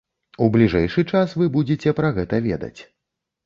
У бліжэйшы час вы будзеце пра гэта ведаць.